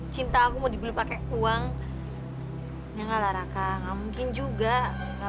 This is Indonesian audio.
cinta aku mau dibeli pakai uang ya nggak lah raka nggak mungkin juga nggak